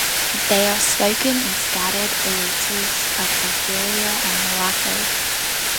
They are spoken in scattered oases of Algeria and Morocco.